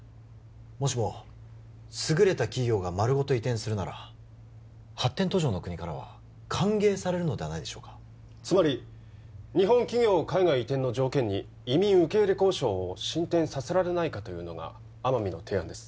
もしも優れた企業が丸ごと移転するなら発展途上の国からは歓迎されるのではないでしょうかつまり日本企業を海外移転の条件に移民受け入れ交渉を進展させられないかというのが天海の提案です